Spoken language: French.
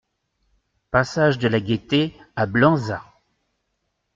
Passage de la Gaité à Blanzat